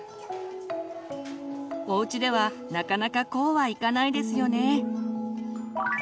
おうちではなかなかこうはいかないですよね。